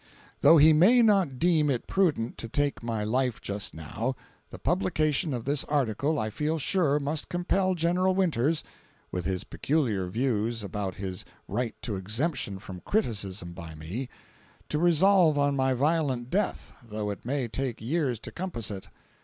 ] Though he may not deem it prudent to take my life just now, the publication of this article I feel sure must compel Gen. Winters (with his peculiar views about his right to exemption from criticism by me) to resolve on my violent death, though it may take years to compass it.